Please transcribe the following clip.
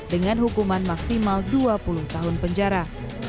dengan hukuman maksimal dua puluh tahun penjara